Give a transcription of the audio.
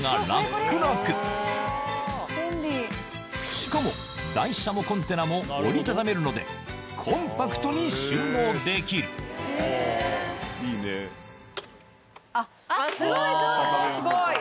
しかも台車もコンテナも折りたためるのでコンパクトに収納できるすごいすごい！